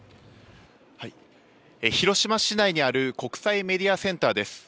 広島市内にある国際メディアセンターです。